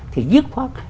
thì dứt phát